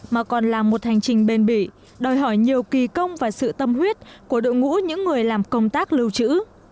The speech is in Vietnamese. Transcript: mà còn là một hành trình bền bỉ đòi hỏi nhiều kỳ công và sự tâm huyết của đội ngũ những người làm công tác lưu trữ